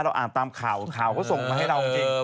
อ่านตามข่าวข่าวเขาส่งมาให้เราจริง